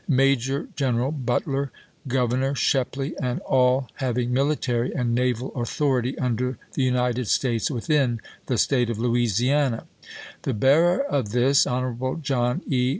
Major General Butler, Governor Shepley, and all having military and naval authority under THE United States within the State op Louisiana: The bearer of this, Hon. John E.